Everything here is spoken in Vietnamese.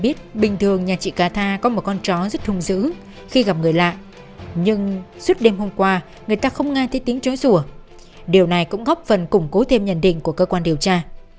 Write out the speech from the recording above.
biết bình thường nhà chị ca tha có một con chó rất hung dữ khi gặp người lạ nhưng suốt đêm hôm qua người ta không nghe thấy tiếng chối rùa điều này cũng góp phần củng cố thêm nhận định của cơ quan điều tra